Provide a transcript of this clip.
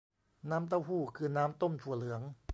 น้ำเต้าหู้คือน้ำต้มถั่วเหลือง